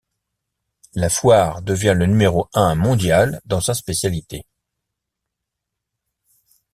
La foire devient le numéro un mondial dans sa spécialité.